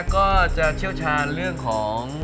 ก็จะเชี่ยวชาญเรื่องของ